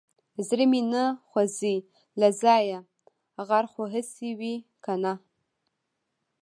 زړه مې نه خوځي له ځايه غر خو هسې وي کنه.